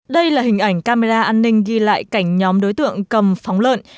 đây là hình ảnh camera an ninh ghi lại cảnh nhóm đối tượng cầm phóng lợn